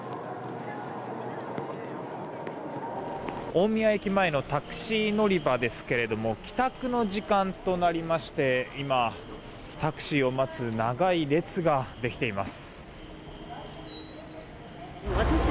大宮駅前のタクシー乗り場ですけれども帰宅の時間となりまして今、タクシーを待つ長い列ができています。